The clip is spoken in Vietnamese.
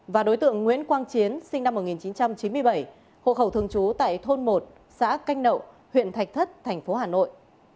và đối tượng nguyễn quang chiến sinh năm một nghìn chín trăm chín mươi bảy hộ khẩu thường trú tại thôn một xã canh nậu huyện thạch thất thành phố hà nội